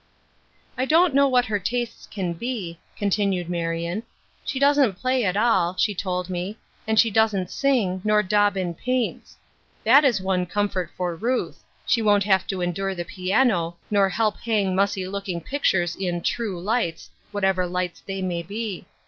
" I don't know what her tastes can be," con tinued Marion. "She doesn't play at all, she told me, and she doesn't sing, nor daub in paints ; that is one comfort for Ruth ; she won't have to endure the piano, nor help hang mussy looking pictures in ' true lights '— whatever lights they may be.